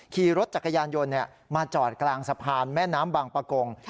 ขี่รถจักรยานยนต์มาจอดกลางสะพานแม่น้ำบางประกง